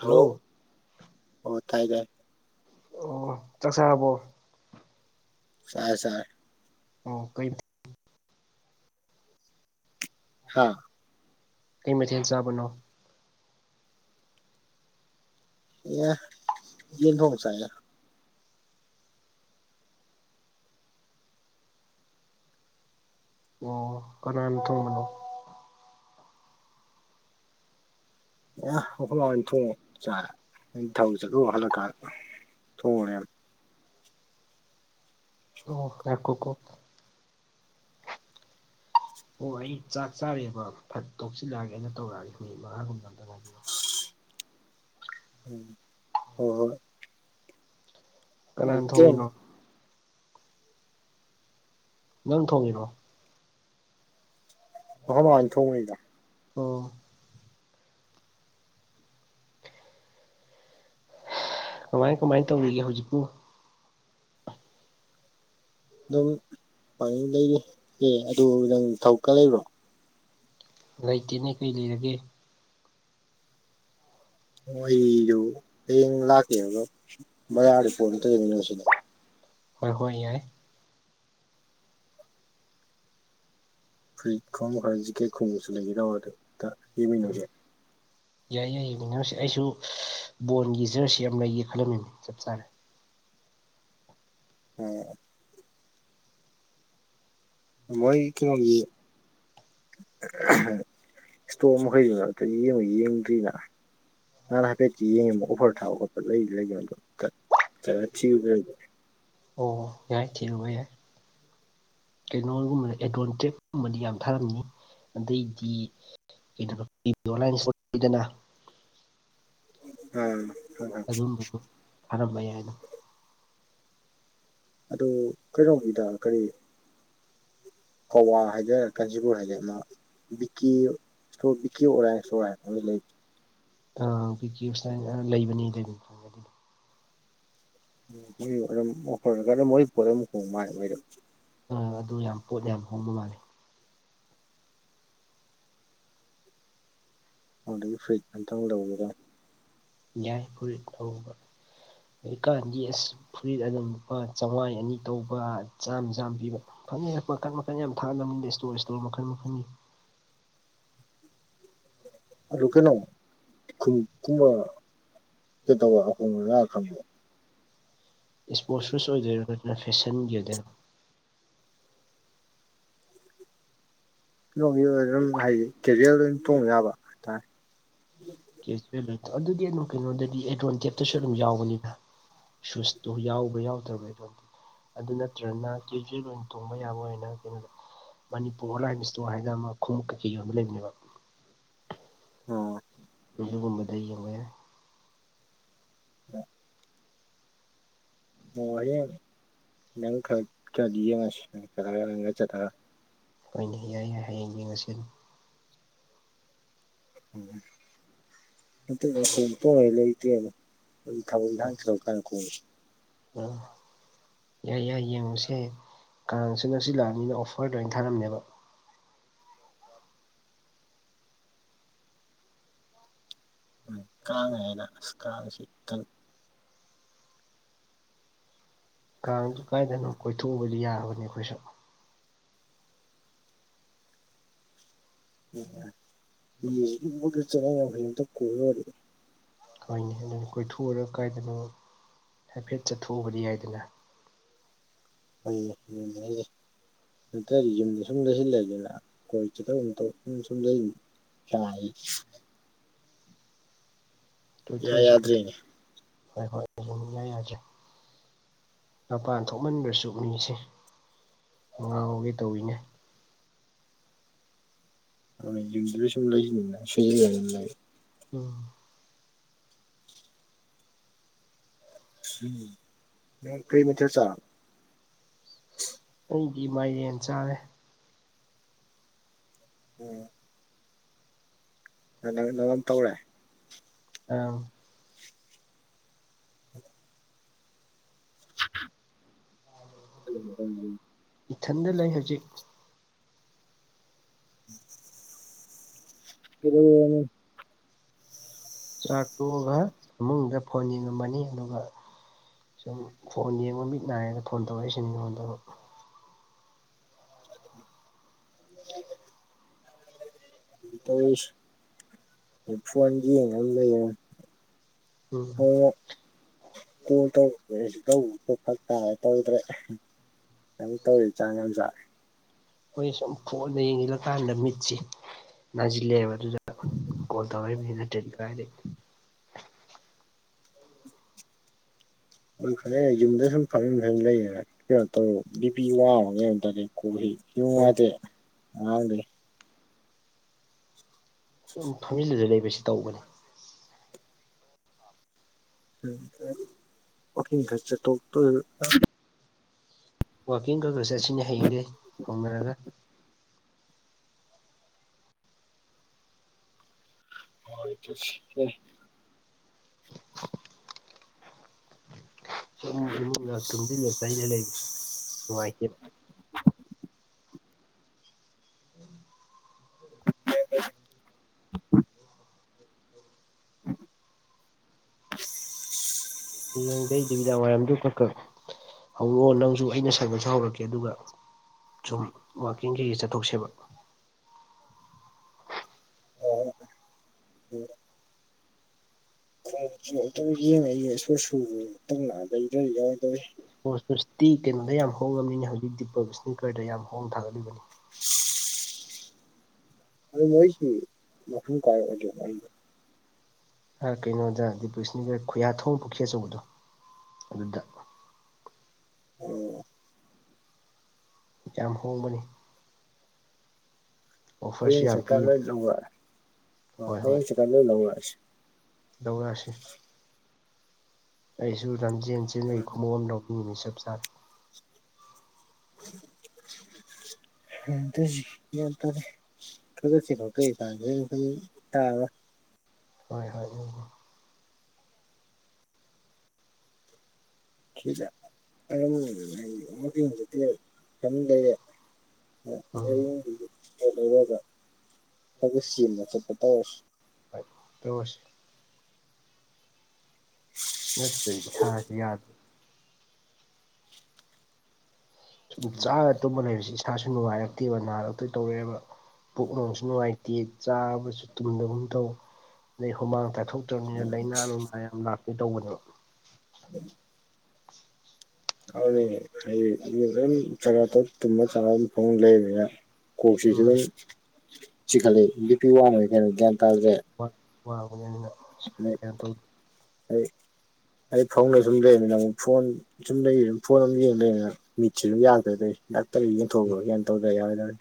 hello hello ꯑꯣ ꯇꯥꯏ ꯇꯥꯏ ꯑꯣ ꯆꯥꯛ ꯆꯔꯕꯣ ꯆꯥꯏ ꯆꯥꯏ ꯑꯣ ꯀꯩ ꯍꯥ ꯀꯩ ꯃꯊꯦꯟ ꯆꯥꯕꯅꯣ ꯑꯦ ꯌꯦꯟ ꯊꯣꯡꯕ ꯆꯥꯏꯌꯦ ꯑꯣ ꯀꯔꯥꯜ ꯊꯣꯡꯕꯅꯣ ꯑꯦ ꯑꯩꯈꯣꯏ ꯃꯍꯣꯏꯅ ꯊꯣꯡꯉ ꯆꯥꯔꯦ ꯑꯩꯅ ꯊꯧ ꯆꯠꯂꯨ ꯍꯜꯂꯛꯀꯥꯟꯗ ꯊꯣꯡꯉꯨꯔꯦ ꯑꯣ ꯌꯥꯀꯣ ꯀꯣ ꯑꯣ ꯑꯩ ꯆꯥꯛ ꯆꯥꯔꯦꯕ ꯐꯠ ꯀꯥꯎꯆꯤꯜꯂꯛꯑꯒꯦ ꯑꯩꯅ ꯇꯧꯔꯛꯑꯒꯦ ꯃꯤꯅꯤꯠ ꯃꯉꯥꯒꯨꯝꯕ ꯑꯝꯇꯪ ꯉꯥꯏ ꯎꯝ ꯍꯣ ꯍꯣꯏ ꯍꯣꯏ ꯀꯅꯥꯅ ꯀꯩꯅꯣ ꯊꯣꯡꯉꯤꯅꯣ ꯑꯩꯈꯣꯏ ꯅꯪ ꯊꯣꯡꯉꯤꯔꯣ ꯑꯈꯣꯏ ꯃꯍꯣꯏꯅ ꯊꯣꯡꯉꯩꯗ ꯑꯣ ꯀꯃꯥꯏ ꯀꯃꯥꯏꯅ ꯇꯧꯔꯤꯒꯦ ꯍꯧꯖꯤꯛꯄꯨ ꯑꯗꯨꯝ ꯄꯥꯅꯤꯡ ꯂꯩꯔꯤ ꯑꯦ ꯑꯗꯨ ꯅꯪ ꯊꯕꯛꯀ ꯂꯩꯕ꯭ꯔꯣ ꯂꯩꯇꯦꯅꯦ ꯀꯔꯤ ꯂꯩꯔꯒꯦ ꯑꯣ ꯑꯩꯗꯨ ꯍꯌꯦꯡ ꯂꯥꯛꯀꯦꯕ ꯕꯖꯥꯔꯗꯩ ꯄꯣꯟꯇ ꯂꯩꯃꯤꯅꯧ ꯁꯤꯗ ꯍꯣꯏ ꯍꯣꯏ ꯌꯥꯏ ꯐꯨꯔꯤꯠ ꯈꯣꯡꯕ ꯈꯔ ꯖꯤꯛꯀꯦꯠ ꯈꯣꯡꯕꯁꯨ ꯂꯩꯒꯦ ꯇꯧꯕ ꯑꯗꯨ ꯇ ꯌꯦꯡꯃꯤꯅꯔꯨꯁꯦ ꯌꯥꯏ ꯌꯥꯏ ꯌꯦꯡꯃꯤꯟꯅꯔꯁꯤ ꯑꯩꯁꯨ ꯕꯣꯟꯒꯤ ꯖꯔꯁꯤ ꯑꯝ ꯂꯩꯒꯦ ꯈꯜꯂꯝꯃꯤꯝꯅꯤ ꯆꯞ ꯆꯥꯔꯦ ꯑꯣ ꯃꯣꯏ ꯀꯩꯅꯣꯒꯤ ꯏꯁꯇꯣꯛ ꯃꯈꯩꯗꯨꯅ ꯑꯇꯩ ꯑꯝ ꯌꯦꯡꯗ꯭ꯔꯤꯅ ꯅꯍꯥꯟ ꯍꯥꯏꯐꯦꯠꯇꯤ ꯌꯦꯡꯉꯤꯕ ꯑꯣꯐꯔ ꯊꯥꯕ ꯈꯣꯠꯄ ꯂꯩ ꯂꯩ ꯑꯗꯣ ꯈꯔ ꯆꯠꯂꯥ ꯊꯤꯔꯨꯗ꯭ꯔ ꯑꯣ ꯌꯥꯏ ꯊꯤꯔꯨꯕ ꯌꯥꯏ ꯀꯩꯅꯣꯜꯒꯨꯝꯕꯗ ꯑꯦꯗ꯭ꯔꯣꯟꯇ꯭ꯔꯦꯞꯀꯨꯝꯕꯗꯤ ꯌꯥꯝ ꯊꯥꯔꯝꯃꯤ ꯑꯗꯩꯗꯤ [unintelligible] ꯑꯝ ꯑꯗꯨꯝꯕꯗꯨ ꯐꯔꯝꯕ ꯌꯥꯏꯅ ꯑꯗꯨ ꯀꯩꯅꯣꯒꯤꯗ ꯀꯔꯤ ꯀꯛꯋꯥ ꯍꯥꯏꯗꯔꯦ ꯀꯥꯟꯆꯤꯄꯨꯔ ꯍꯥꯏꯗꯣꯏꯔꯥ ꯑꯃ ꯕꯤꯀꯤ ꯁꯣ ꯕꯤ ꯑꯣꯔꯥꯏ ꯁꯔꯥꯏ ꯂꯩꯕꯗꯣ ꯀꯦꯏꯁꯇꯥꯜ ꯂꯩꯕꯅꯤ ꯂꯩꯕꯅꯤ ꯈꯪꯉꯦ ꯑꯗꯨꯗꯤ ꯃꯣꯏ ꯑꯣꯏꯔꯝ ꯑꯣꯐꯔ ꯄꯣꯠ ꯑꯗꯨ ꯍꯣꯡꯕ ꯃꯥꯜꯂꯦ ꯃꯣꯏꯗꯣ ꯑꯥ ꯑꯗꯨ ꯌꯥꯝ ꯄꯣꯠ ꯌꯥꯝ ꯍꯣꯡꯕ ꯃꯥꯜꯂꯦ ꯑꯗꯩ ꯐꯨꯔꯤꯠ ꯑꯝꯇꯪ ꯂꯧꯕꯗ ꯌꯥꯏ ꯐꯨꯔꯤꯠ ꯍꯧꯕ ꯍꯧꯖꯤꯛꯀꯥꯟꯗꯤ ꯑꯁ ꯐꯨꯔꯤꯠ ꯑꯗꯨꯝ ꯂꯨꯄꯥ ꯆꯧꯉꯥꯏ ꯑꯅꯤ ꯇꯧꯕ ꯆꯥꯝ ꯆꯥꯝ ꯄꯤꯕ ꯐꯅꯤꯍꯦ ꯃꯀꯟ ꯃꯀꯜ ꯌꯥꯝ ꯊꯥꯂꯝꯃꯤꯗ ꯏꯁꯇꯣꯔ ꯏꯁꯇꯣꯔ ꯃꯈꯜ ꯃꯈꯜꯒꯤ ꯑꯗꯨ ꯀꯩꯅꯣ ꯈꯨꯟ ꯀꯨꯝꯕ ꯀꯩꯇꯧꯔ ꯑꯍꯣꯡꯕ ꯂꯥ ꯈꯪꯕ ꯏꯁꯄꯣꯔꯠ ꯁꯨꯁ ꯑꯣꯏꯗꯣꯏꯔꯣ ꯅꯠꯇ꯭ꯔꯅ ꯐꯦꯁꯟꯒꯤꯗꯣꯏꯔꯣ ꯀꯩꯅꯣꯒꯤ ꯑꯗꯨꯝ ꯍꯥꯏꯗꯤ ꯀꯦꯖꯤꯋꯦꯜ ꯑꯗꯨꯝ ꯇꯣꯡꯕ ꯌꯥꯕ ꯍꯥꯏꯇꯥꯔꯦ ꯀꯦꯁ ꯄꯦꯃꯦꯟꯇꯣ ꯑꯗꯨꯗꯤ ꯑꯗꯨꯝ ꯀꯩꯅꯣꯗꯗꯤ ꯑꯦꯗꯚꯣꯟ ꯀꯦꯞꯇꯁꯨ ꯑꯗꯨꯝ ꯌꯥꯎꯕꯅꯤꯗ ꯁꯨꯁꯇꯨ ꯌꯥꯎꯕ꯭ꯔ ꯌꯥꯎꯗ꯭ꯔꯕꯩꯗ ꯑꯗꯨ ꯅꯠꯇ꯭ꯔꯒꯅ ꯀꯦꯖꯦꯜ ꯑꯣꯏꯅ ꯊꯣꯡꯕ ꯌꯥꯕ ꯑꯣꯏꯅ ꯀꯩꯅꯣꯗ ꯃꯅꯤꯄꯨꯔ ꯑꯣꯟꯂꯥꯏꯟ ꯏꯁꯇꯣꯔ ꯍꯥꯏꯅ ꯑꯃ ꯈꯣꯡꯎꯞ ꯀꯩꯀꯩꯒꯤ ꯌꯣꯟꯕ ꯂꯩꯕꯅꯦꯕ ꯎꯝ ꯑꯗꯨꯒꯨꯝꯕꯗ ꯌꯦꯡꯉꯣꯅꯦ ꯑ [unintelligible] ꯑꯣ ꯍꯌꯦꯡ ꯅꯪ ꯈꯔ ꯈꯔꯗꯤ ꯌꯦꯡꯉꯁꯤ ꯆꯠꯂꯒ ꯅꯪꯒ ꯆꯠꯂꯒ ꯍꯣꯏꯅꯦ ꯌꯥꯏ ꯌꯥꯏ ꯌꯦꯡꯉꯁꯤ ꯑꯗꯨ ꯂꯩꯇꯦꯕ ꯊꯕꯛ ꯏꯪꯈꯥꯡ ꯆꯤꯜ ꯀꯥꯟꯀꯣ ꯑꯝ ꯌꯥꯏ ꯌꯥꯏ ꯌꯦꯡꯉꯨꯁꯦ ꯍꯌꯦꯡ ꯀꯥꯡꯁꯨ ꯉꯁꯤ ꯂꯥꯛꯑꯕꯅꯤꯅ ꯑꯣꯐꯔꯗ ꯂꯣꯏ ꯊꯥꯔꯝꯅꯦꯕ ꯎꯝ ꯀꯥꯉꯦꯅ ꯀꯥꯁꯤꯛꯇꯝ ꯀꯥꯡꯗꯨ ꯀꯥꯏꯗꯅꯣ ꯀꯣꯏꯊꯣꯛꯎꯕꯗꯤ ꯌꯥꯕꯅꯤ ꯑꯩꯈꯣꯏꯁꯨ [unintelligible] ꯍꯣꯏꯅꯦ ꯑꯗꯨꯅꯦ ꯀꯣꯏꯊꯣꯛꯎꯔ ꯀꯥꯏꯗꯅꯣ ꯍꯥꯏꯐꯦꯠ ꯆꯠꯊꯣꯛꯎꯕꯗꯤ ꯌꯥꯏꯗꯅ ꯍꯣꯏ ꯌꯥꯏ ꯌꯥꯏ ꯅꯇ꯭ꯔꯗꯤ ꯌꯨꯝꯗ ꯁꯨꯝ ꯂꯩꯁꯤꯜꯂꯒꯦꯅ ꯀꯣꯏ ꯆꯇꯒꯨꯝ ꯁꯨ ꯊꯧ ꯌꯨꯝꯗ ꯁꯨꯝ ꯌꯥꯏ ꯏꯌꯥ ꯀꯣꯏꯊꯣꯛꯎꯁꯤ ꯌꯥꯗ꯭ꯔꯦꯅꯦ ꯀꯣꯏꯊꯣꯛꯎꯁꯤ [unintelligible] ꯃꯄꯥꯟ ꯊꯣꯛꯃꯟꯗ꯭ꯔꯁꯨ ꯃꯤꯁꯦ ꯉꯥꯎꯒꯦ ꯇꯧꯋꯤꯅꯦ ꯑꯗꯨ ꯌꯨꯝꯗꯨꯗ ꯁꯨꯝ ꯂꯩꯁꯤꯅꯤꯅ ꯁꯣꯏꯖꯤꯅ ꯂꯩ ꯎꯝ ꯎꯝ ꯀꯔꯤ ꯃꯊꯜ ꯆꯥꯔꯕ ꯑꯩꯗꯤ ꯏꯃꯥꯏꯔꯦꯟ ꯆꯥꯔꯦ ꯎꯝ ꯪ ꯅꯪ ꯅꯪꯑꯗꯨꯝ ꯇꯧꯔꯦ ꯑꯝ [unintelligible] ꯏꯊꯟꯗ ꯂꯩ ꯍꯧꯖꯤꯛ [unintelligible] ꯀꯩꯊꯧꯔꯕꯅꯣ ꯆꯥꯛ ꯇꯣꯛꯑꯒꯥ ꯏꯃꯨꯡꯗꯥ ꯐꯣꯟ ꯌꯦꯡꯉꯝꯃꯅꯤ ꯑꯗꯨꯒꯥ ꯁꯨꯝ ꯐꯣꯟ ꯌꯦꯡꯕ ꯃꯤꯠ ꯅꯥꯏꯅ ꯐꯣꯟ ꯇꯧꯔꯛꯏꯁꯤꯅꯤ ꯅꯉꯣꯟꯗꯥ [unintelligible] ꯇꯧꯔꯤꯁꯤ ꯐꯣꯟꯒꯤ ꯌꯦꯡꯉꯥ ꯂꯩꯔꯦ ꯎꯝ ꯍꯣꯏ ꯀꯣꯜ ꯇꯧꯔꯛꯇꯦ ꯑꯩꯖꯨ ꯇꯧꯕꯗꯣ ꯐꯔꯛ ꯇꯥꯔꯦ ꯇꯧꯗ꯭ꯔꯦ ꯌꯥꯝ ꯇꯧꯋꯤ ꯆꯥꯡ ꯌꯥꯝ ꯆꯥꯔꯦ ꯑꯩꯈꯣꯏ ꯁꯨꯝ ꯐꯣꯟꯗꯥ ꯌꯦꯡꯖꯤꯜꯂꯀꯥꯟꯗꯥ ꯃꯤꯠꯁꯦ ꯅꯥꯖꯤꯜꯂꯦꯕ ꯑꯗꯨꯗꯥ ꯀꯣꯜ ꯇꯧꯔꯛꯏꯃꯤꯅ ꯇꯤꯟꯗ꯭ꯔꯥ ꯍꯥꯏꯗꯤ ꯑꯗꯨ ꯐꯔ ꯌꯨꯝꯗ ꯁꯨꯝ ꯐꯪ ꯂꯩꯌꯦ ꯀꯩꯅꯣ ꯇꯧꯔ ꯕꯤꯄꯤ ꯋꯥꯕ ꯀꯩꯝ ꯇꯔꯗꯤ ꯀꯣ ꯍꯣꯏ ꯌꯨꯝꯉꯗꯦ ꯑꯉꯥꯡꯗ ꯐꯝꯖꯤꯜꯂꯗ ꯂꯩꯕꯁꯤ ꯇꯧꯕꯅꯤ ꯎꯝ ꯋꯥꯀꯤꯡ ꯈꯔ ꯆꯠꯊꯣꯛꯇꯣꯏꯔ ꯋꯥꯛꯀꯤꯡ ꯈꯔ ꯈꯔ ꯆꯠꯁꯤꯅꯦ ꯍꯌꯦꯡꯗꯩ ꯍꯧꯅꯔꯒ ꯍ ꯁꯤ [unintelligible] ꯁꯨꯝ ꯏꯃꯨꯡꯗ ꯇꯨꯡꯁꯤꯜꯂ ꯆꯩꯅ ꯂꯩꯕ ꯅꯨꯡꯉꯥꯏꯇꯦ ꯎꯝ [inaudible] [unintelligible] ꯍꯥꯌꯦꯡꯗꯩ ꯅꯨꯃꯤꯗꯥꯡ ꯋꯥꯏꯔꯝꯗꯨ ꯈꯔ ꯈꯔ ꯍꯧꯔꯛꯑꯣ ꯅꯪꯖꯨ ꯑꯩꯅ ꯁꯪꯉꯥꯁꯨ ꯍꯧꯔꯛꯀꯦ ꯑꯗꯨꯒꯥ ꯁꯨꯝ ꯋꯥꯛꯀꯤꯡ ꯀꯩꯀꯩ ꯆꯠꯊꯣꯛꯁꯦꯕ [unintelligible] ꯐꯥꯔꯦꯁꯦ ꯑꯃꯇꯪ ꯌꯦꯡꯉꯥ [unintelligible] ꯅꯪ ꯂꯥꯛꯑꯒꯥ ꯌꯔꯣꯏꯗꯧꯔꯤ ꯏꯁꯄꯣ ꯁꯨꯇꯁꯇꯤ ꯀꯩꯅꯣꯗ ꯌꯥꯝ ꯍꯣꯡꯉꯥꯝꯅꯤꯝꯅꯦ ꯍꯧꯖꯤꯛꯇꯤ ꯗꯤꯄꯛ ꯏꯁꯅꯤꯀꯔꯗꯥ ꯌꯥꯝꯅ ꯍꯣꯡꯅ ꯊꯥꯒꯠꯂꯤꯕꯅꯤ [inaudible] ꯑꯗꯨ ꯃꯣꯏꯁꯤ ꯃꯐꯝ ꯀꯥꯏ ꯑꯣꯏꯗꯣꯕ ꯑꯩ ꯍꯥ ꯀꯩꯅꯣꯗꯥ ꯗꯤꯄꯛ ꯏꯁꯅꯤꯀꯔ ꯈꯨꯌꯥꯊꯣꯡ ꯄꯨꯈꯤ ꯑꯆꯧꯕꯗꯣ ꯑꯗꯨꯗꯥ ꯎꯝ ꯌꯥꯝ ꯍꯣꯡꯕꯅꯤ ꯑꯣꯐꯔꯁꯨ ꯍꯥꯌꯦꯡ ꯌꯥꯝ ꯄꯤ ꯆꯠꯀꯥꯟ ꯂꯣꯏ ꯂꯧꯔꯛꯑꯦ ꯑꯣ ꯍꯣꯏ ꯍꯣꯏ ꯍꯥꯌꯦꯡ ꯆꯠꯀꯥꯟ ꯂꯣꯏ ꯂꯧꯔꯛꯑꯁꯤ ꯂꯧꯔꯛꯑꯁꯤ ꯑꯩꯁꯨ ꯂꯝꯖꯦꯟ ꯎꯝ ꯆꯦꯟꯕꯒꯤ ꯈꯨꯃꯨꯛ ꯑꯃ ꯂꯧꯅꯤꯡꯕꯅꯤ ꯆꯞ ꯆꯥꯔꯦ [inaudible] [unintelligible] ꯒꯌ꯭ꯥꯟ ꯇꯥꯗꯦ ꯈꯔ ꯆꯦꯜꯍꯧꯒꯦ [unintelligible] ꯇꯥꯔꯣꯏ ꯍꯣꯏ ꯍꯣꯏ ꯎꯝ [unintelligible] ꯇꯝ ꯂꯩꯔꯦ ꯎꯝ [unintelligible] ꯂꯩꯔꯒ ꯈꯥꯒꯥ ꯆꯦꯟꯕ ꯆꯠꯄ ꯇꯧꯔꯁꯤ ꯍꯣꯏ ꯇꯧꯔꯥꯁꯤ ꯅꯠꯇꯔꯥꯗꯤ ꯏꯁꯥꯖꯦ ꯌꯥꯗꯔꯦ ꯁꯨꯝ ꯆꯥꯔꯒꯥ ꯇꯨꯝꯕ ꯂꯩꯕꯁꯤ ꯏꯁꯥꯁꯨ ꯅꯨꯡꯉꯥꯏꯔꯛꯇꯦꯕ ꯅꯥꯔꯛꯇꯣꯏ ꯇꯧꯔꯛꯑꯦꯕ ꯄꯨꯛꯅꯨꯡꯁꯨ ꯅꯨꯡꯉꯥꯏꯇꯦ ꯆꯥꯕꯁꯨ ꯇꯨꯝꯗꯥꯒꯨꯝ ꯇꯧ ꯑꯗꯩ ꯍꯨꯃꯥꯡ ꯇꯥꯊꯣꯛ [unintelligible] ꯂꯥꯏꯅꯥ ꯅꯨꯡꯅꯥ ꯌꯥꯝ ꯂꯥꯛꯄꯤ ꯇꯧꯕꯅꯦꯕ [unintelligible] ꯑꯥꯎꯅꯦ ꯍꯥꯏꯗꯤ ꯑꯗꯨꯝ ꯆꯥꯛꯆꯥ ꯇꯣꯛ ꯇꯨꯝꯕ ꯆꯥ ꯐꯥꯃꯨꯡ ꯂꯩꯔꯃꯤꯅ ꯀꯣꯛꯁꯤꯁꯨ ꯎꯝ ꯑꯗꯨꯝ ꯆꯤꯈꯠꯂꯛꯏ ꯕꯤꯄꯤ ꯋꯥꯡꯂꯩꯔꯥ ꯀꯩꯅꯣ ꯒ꯭ꯌꯥꯟ ꯇꯥꯗ꯭ꯔꯦ ꯋꯥ ꯋꯥꯕꯅꯤꯅ ꯁꯨꯃꯥꯏ ꯑꯗꯩ ꯀꯩꯅꯣ ꯇꯧ ꯑꯩ ꯑꯩ ꯐꯥꯃꯨꯡꯗꯥ ꯁꯨꯝ ꯂꯩꯔꯝꯃꯤꯅꯦ ꯐꯣꯟ ꯁꯨꯝ ꯂꯩꯔꯤ ꯐꯣꯟ ꯑꯃ ꯌꯦꯡ ꯂꯩꯅ ꯃꯤꯠꯁꯦ ꯑꯗꯨꯝ ꯌꯥꯗ꯭ꯔꯦꯗꯥ ꯑꯩ ꯗꯥꯛꯇꯔ ꯌꯦꯡꯊꯣꯛꯂꯣꯏꯔ ꯇꯧꯗ ꯌꯥꯔꯣꯏꯗꯧꯔꯤ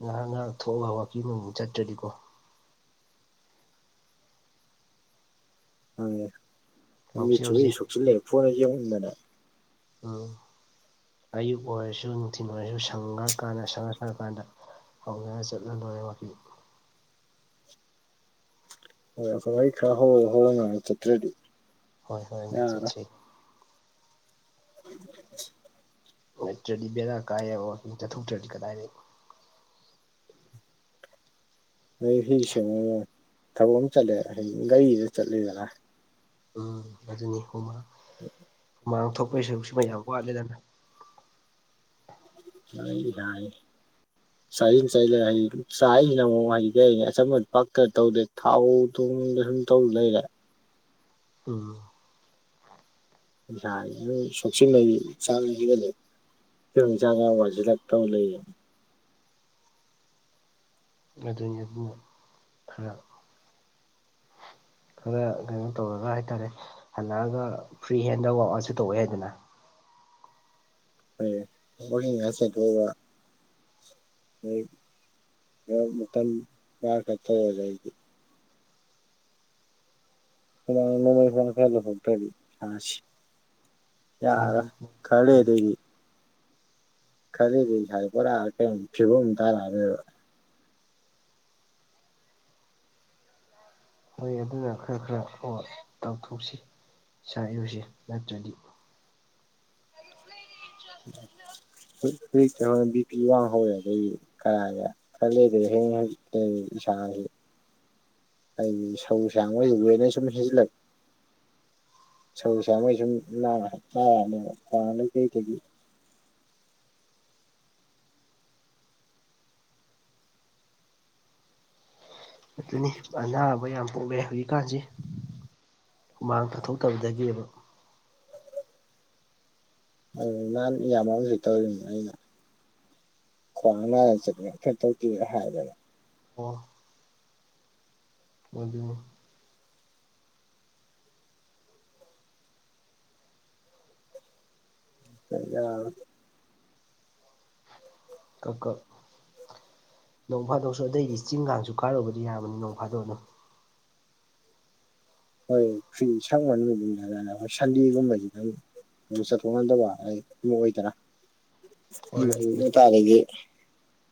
ꯉꯥꯍꯥꯛ ꯉꯥꯍꯥꯛ ꯊꯣꯛꯂ ꯋꯥꯥꯛꯀꯤꯡ ꯑꯃꯨꯃꯨꯛ ꯆꯠꯇ꯭ꯔꯗꯤꯀꯣ ꯃꯅꯦ ꯍꯧꯖꯤꯛ ꯃꯤꯠꯁꯨ ꯂꯣꯏ ꯍꯧꯖꯤꯛ ꯁꯣꯛꯁꯤꯜꯂꯛꯑꯦ ꯐꯣꯟꯗ ꯌꯦꯡꯃꯟꯗꯅ ꯎꯝ ꯑꯌꯨꯛ ꯑꯣꯏꯔꯁꯨ ꯅꯨꯡꯊꯤꯟꯜ ꯑꯣꯏꯔꯁꯨ ꯁꯪꯉ꯭ꯥꯀꯥꯟꯗ ꯁꯪꯉꯥ ꯁꯉꯥꯀꯥꯟꯗ ꯍꯧꯅꯔꯥ ꯆꯠꯂꯥ ꯂꯣꯏꯔꯦ ꯋꯥꯛꯀꯤꯡ ꯍꯣꯏ ꯑꯁꯣꯝꯗꯩ ꯈꯔ ꯍꯧꯔ ꯍꯧꯔꯒ ꯆꯠꯇ꯭ꯔꯗꯤ ꯍꯣꯏ ꯍꯣꯔꯦꯟ ꯌꯥꯔꯔꯣꯏ ꯆꯠꯁꯤ [unintelligible] ꯅꯠꯇ꯭ꯔꯗꯤ ꯕꯦꯔꯥ ꯀꯥꯏꯌꯦꯕ ꯋꯥꯀꯤꯡ ꯆꯠꯊꯣꯛꯇ꯭ꯔꯗꯤ ꯀꯗꯥꯏꯗꯒꯤ ꯅꯣꯏ ꯍꯤ ꯁꯦꯡꯉꯒꯥ ꯊꯕꯛ ꯑꯃ ꯆꯠꯂꯦ ꯍꯥꯏꯗꯤ ꯒꯥꯔꯤꯗꯥꯥ ꯆꯠꯂꯦꯗꯅ ꯎꯝ ꯑꯗꯨꯅꯤ ꯍꯨꯃꯥꯡ ꯃꯥꯡ ꯊꯣꯛꯄꯒꯤ ꯁꯔꯨꯛꯁꯤꯃꯥ ꯌꯥꯝ ꯋꯥꯠꯂꯦꯗꯅ ꯃꯥꯌꯦꯡꯗꯤ ꯗꯥꯔꯦ [inaudible] ꯆꯥꯁꯤꯟ ꯆꯥꯖꯤꯜꯂꯒꯥ ꯍꯥꯏꯗꯤ ꯆꯥꯏꯁꯤꯅ ꯑꯃꯨꯛ ꯍꯥꯏꯗꯤ ꯀꯩ ꯍꯥꯏꯅꯤ ꯑꯆꯝꯕ ꯄꯥꯛꯀꯥ ꯇꯧꯗ꯭ꯔꯦ ꯊꯥꯎ ꯇꯨꯡꯗꯥ ꯁꯨꯝ ꯇꯧ ꯂꯩꯔꯦ ꯎꯝ ꯏꯁꯥꯖꯤꯖꯨ ꯁꯣꯛꯆꯤꯟꯕꯅꯤ [unintelligible] ꯌꯨꯝ ꯆꯪꯉꯥ ꯋꯥꯏꯆꯤꯜꯂꯛꯇꯧ ꯂꯩꯌꯦ ꯑꯗꯨꯅꯤꯕꯨ ꯈꯔ ꯈꯔ ꯀꯩꯅꯣ ꯇꯧꯔꯒ ꯍꯥꯏꯇꯥꯔꯦ ꯍꯜꯂꯛꯑꯒ ꯐ꯭ꯔꯤ ꯍꯦꯟꯗ ꯋꯥꯛ ꯑꯥꯎꯠꯁꯨ ꯇꯧꯕ ꯌꯥꯏꯗꯅ ꯍꯣꯏꯅꯦ ꯍꯣꯔꯦꯟ ꯉꯥꯏꯍꯥꯛ ꯆꯦꯟꯊꯣꯒ ꯍꯣꯏ ꯃꯇꯝ [unintelligible] ꯀꯩꯅꯣ ꯇꯧꯔꯖꯦ ꯑꯩ ꯍꯨꯃꯥꯡ ꯅꯣꯡꯃꯩꯒꯨꯝꯕ ꯈꯔ ꯂꯧꯊꯣꯛꯇꯔꯥꯗꯤ ꯏꯁꯥꯁꯤ ꯍꯣꯏ ꯌꯥꯔꯣꯏ ꯈꯔꯂꯩꯔꯗꯤ ꯑꯩꯗꯤ ꯈꯔꯂꯩꯔꯗꯤ ꯏꯁꯥꯖꯦ ꯄꯨꯔꯥ ꯀꯩꯅꯣ ꯐꯤꯕꯝꯃꯥ ꯇꯥꯔꯛꯑꯥꯅꯦꯕ ꯍꯣꯏ ꯑꯗꯨꯅ ꯈꯔ ꯈꯔ ꯇꯧꯊꯣꯛꯁꯤ ꯏꯁꯥ ꯏꯔꯨꯖꯦ ꯅꯠꯇ꯭ꯔꯗꯤ ꯍꯧꯛ ꯍꯧꯖꯤꯛ ꯀꯩꯅꯣ ꯕꯤ ꯄꯤ ꯋꯥꯡ ꯍꯧꯋꯦ ꯑꯗꯨꯗꯤ ꯀꯔꯥꯏꯗꯒꯤ ꯈꯔ ꯂꯩꯗꯤ ꯍꯌꯦꯡ ꯑꯩ ꯑꯩ ꯏꯁꯥꯒꯤ ꯑꯩꯗꯤ ꯁꯧ ꯁꯥꯡꯉꯣꯏ ꯍꯦꯗꯔ ꯁꯨꯝ ꯁꯤꯖꯤꯜꯂꯛ ꯁꯧꯁꯥꯉꯣꯏ ꯁꯨꯝ ꯅꯥꯔꯛꯑꯅꯦꯕ ꯈꯗ ꯀꯩ ꯀꯩꯒꯤ ꯑꯗꯨꯅꯤ ꯑꯅꯥꯕ ꯌꯥꯝ ꯄꯣꯛꯂꯦ ꯍꯧꯖꯤꯛꯀꯥꯟꯁꯤ ꯍꯨꯃꯥꯡ ꯇꯥꯊꯣꯛꯇꯕꯗꯒꯤꯕ ꯑꯗꯨ ꯅꯍꯥꯟ ꯏꯌꯥꯝꯕꯝꯖꯨ ꯇꯧꯔꯤꯅꯤ ꯑꯩꯅ ꯈ꯭ꯋꯥꯡ ꯅꯥꯏꯅ ꯆꯠꯂꯀꯦ ꯇꯧ ꯑꯗꯨꯏꯔꯥ ꯍꯥꯏꯔꯕ ꯑꯣ [unintelligible] ꯑꯩ ꯌꯥꯎꯔꯣꯏꯒꯦ ꯀꯣꯀꯣ ꯅꯣꯡ ꯐꯥꯗꯣꯛꯁꯨ ꯑꯇꯩꯗꯤ ꯆꯤꯡꯒꯥꯟꯁꯨ ꯀꯥꯔꯨꯕꯗꯤ ꯌꯥꯕꯅꯤ ꯅꯣꯡꯐꯥꯗꯣꯛ ꯑꯗꯨꯝ ꯍꯣꯏ ꯐ꯭ꯔꯤ ꯁꯪꯕ ꯃꯨꯃꯤꯠ [unintelligible] ꯁꯟꯗꯦꯒꯨꯝꯕꯁꯦ ꯅꯪ ꯑꯗꯨ ꯆꯠꯊꯣꯛ ꯉꯟꯗꯕ ꯑꯩ ꯑꯃ ꯑꯣꯏꯗꯅ ꯍꯣꯏ ꯇꯥꯔꯗꯤ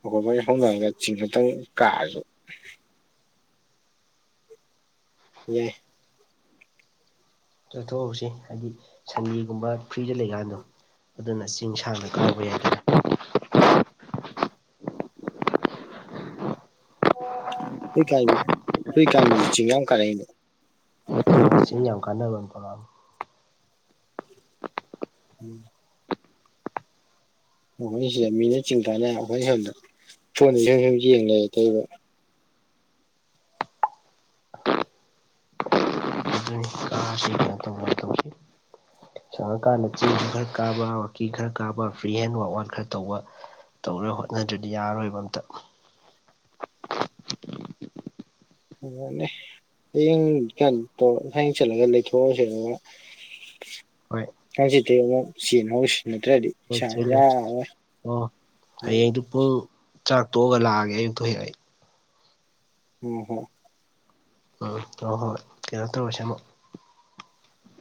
ꯑꯩꯈꯣꯏꯕꯅꯤ ꯍꯧꯅꯔꯒ ꯆꯤꯡ ꯈꯇꯪ ꯀꯥꯔꯁꯨ ꯌꯥꯏ ꯆꯠꯊꯣꯛꯍꯧꯁꯤ ꯍꯥꯏꯗꯤ ꯁꯟꯗꯦꯒꯨꯝꯕ ꯐ꯭ꯔꯤꯗ ꯂꯩꯀꯥꯟꯗꯣ ꯑꯗꯨꯅ ꯆꯤꯡ ꯁꯥꯡꯅ ꯀꯥꯎꯕ ꯌꯥꯏꯗꯅ ꯍꯨꯏ ꯀꯥꯏꯃꯤ ꯍꯨꯏ ꯀꯥꯏꯃꯤꯁꯤ ꯆꯤꯡ ꯌꯥꯝ ꯀꯔꯛꯏꯅꯦ ꯌꯥꯏꯗꯅ ꯆꯤꯡ ꯌꯥꯝ ꯀꯥꯟꯅꯕ ꯃꯐꯝ ꯎꯝ ꯑꯩꯈꯣꯏ ꯁꯤꯗ ꯃꯤꯅ ꯆꯤꯡ ꯀꯥꯟꯅꯔ ꯑꯩꯈꯣꯏ ꯁꯣꯝꯗ ꯐꯣꯟꯖꯤꯗ ꯁꯨꯝ ꯌꯦꯡꯂꯩ ꯇꯩꯔꯤꯕ ꯆꯤꯡ ꯀꯥꯁꯦ ꯀꯩꯅꯣ ꯇꯧꯕꯔꯥ ꯇꯧꯁꯦ ꯁꯪꯉꯀꯥꯟꯗ ꯆꯦꯡꯁꯨ ꯈꯔ ꯀꯥꯕ ꯋꯥꯛꯀꯤ ꯈꯔ ꯀꯥꯕ ꯐ꯭ꯔꯤ ꯍꯦꯟ ꯋꯥꯛ ꯋꯥꯟ ꯈꯔ ꯇꯧꯕ ꯇꯧꯔꯥ ꯍꯣꯠꯅꯗ꯭ꯔꯗꯤ ꯌꯥꯔꯣꯏꯕ ꯑꯝꯇꯥ ꯑꯗꯨꯅꯦ ꯍꯌꯦꯡ ꯆꯠ ꯇꯧ ꯍꯌꯦꯡ ꯆꯠꯂꯒ ꯂꯩꯊꯣꯛꯑꯣꯔꯁꯤ ꯑꯗꯨꯒ ꯍꯣꯏ ꯍꯥꯡꯆꯤꯠꯇꯤ ꯑꯃꯨꯛ ꯆꯦ ꯃꯍꯨꯠ ꯁꯤꯅꯗꯔꯥꯗꯤ ꯍꯣꯏ ꯆꯦꯂ ꯑꯣ ꯍꯌꯦꯡꯗꯨ ꯄꯨꯡ ꯆꯥꯛ ꯇꯣꯛꯑꯒ ꯂꯥꯛꯑꯒꯦ ꯑꯌꯨꯛꯇ ꯑꯣꯏꯅ ꯑꯩ ꯎꯝ ꯍꯝ ꯎꯝ ꯍꯣꯏ ꯍꯣꯏ ꯀꯩꯅ‌ꯣꯇꯧꯔꯁ‍ꯦꯑꯃꯨꯛ